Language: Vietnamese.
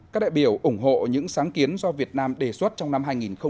các đại biểu ủng hộ những sáng kiến do việt nam đề xuất trong năm hai nghìn hai mươi